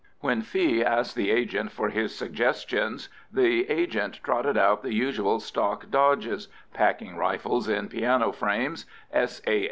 When Fee asked the agent for his suggestions, the agent trotted out the usual stock dodges—packing rifles in piano frames, S.A.